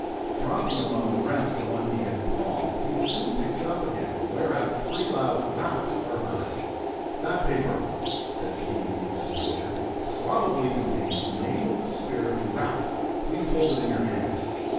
Dropping among the rest the one he had "palmed," he soon picks it up again, whereat three loud "raps" are heard. "That paper," says he to the investigator, "probably contains the name of the spirit who rapped; please hold it in your hand."